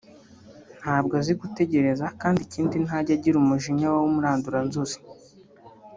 ntabwo azi gutegereza kandi ikindi ntajya agira umujinya w’umuranduranzuzi